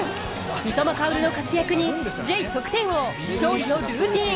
三笘薫の活躍にＪ得点王勝利のルーティーン